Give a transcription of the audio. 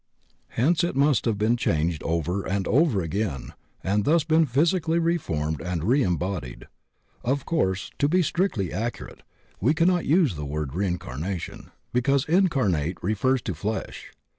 Hence it must have been changed over and over again, and thus been physically reformed and reembodied. Of course, to be strictly accurate, we cannot use the word rein carnation, because "incarnate" refers to flesh.